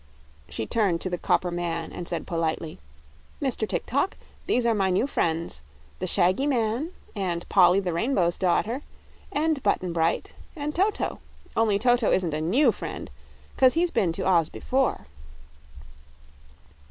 She turned to the copper man and said politely: "Mr. Tik tok, these are my new friends: the shaggy man, and Polly the Rainbow's Daughter, and Button Bright, and Toto. Only Toto isn't a new friend, 'cause he's been to Oz before."